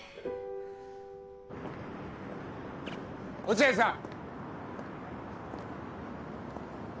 落合さん！